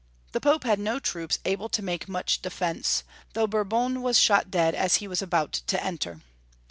The Pope had no troops able to make much defence, though Boiu'bon was shot dead as he was about to enter.